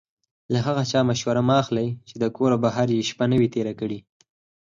له هغه چا مشوره مه اخلئ چې د کوره بهر شپه نه وي تېره.